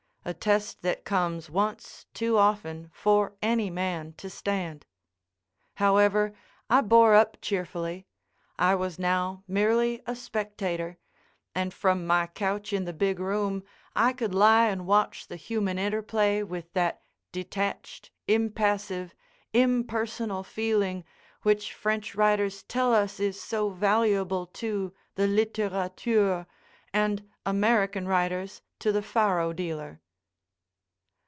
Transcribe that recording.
A test that comes once too often for any man to stand. However, I bore up cheerfully. I was now merely a spectator, and from my couch in the big room I could lie and watch the human interplay with that detached, impassive, impersonal feeling which French writers tell us is so valuable to the litterateur, and American writers to the faro dealer.